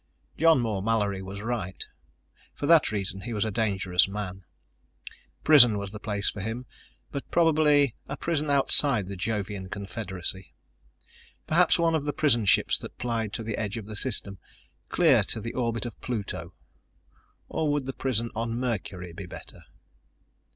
John Moore Mallory was right; for that reason, he was a dangerous man. Prison was the place for him, but probably a prison outside the Jovian confederacy. Perhaps one of the prison ships that plied to the edge of the System, clear to the orbit of Pluto. Or would the prison on Mercury be better?